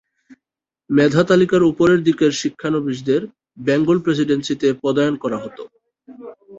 মেধাতালিকার উপরের দিকের শিক্ষানবিসদের বেঙ্গল প্রেসিডেন্সিতে পদায়ন করা হতো।